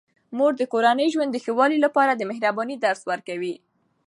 مور د کورني ژوند د ښه والي لپاره د مهربانۍ درس ورکوي.